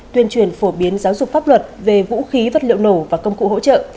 tuyên truyền phổ biến giáo dục pháp luật về vũ khí vật liệu nổ và công cụ hỗ trợ